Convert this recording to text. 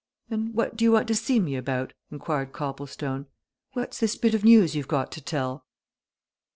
"And what do you want to see me about?" inquired Copplestone. "What's this bit of news you've got to tell?"